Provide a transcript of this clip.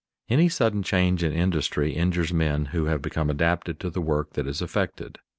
_ Any sudden change in industry injures men who have become adapted to the work that is affected.